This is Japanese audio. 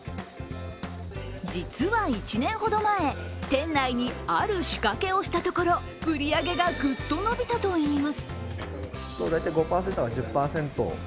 実は１年ほど前、店内にある仕掛けをしたところ売り上げがぐっと伸びたといいます。